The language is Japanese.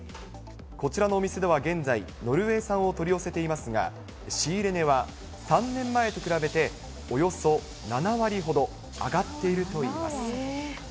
こちらのお店では現在、ノルウェー産を取り寄せていますが、仕入れ値は３年前と比べて、およそ７割ほど上がっているといいます。